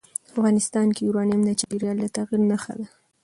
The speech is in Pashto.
افغانستان کې یورانیم د چاپېریال د تغیر نښه ده.